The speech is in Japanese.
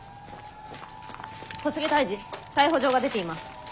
小菅泰治逮捕状が出ています。